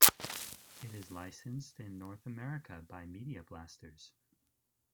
It is licensed in North America by Media Blasters.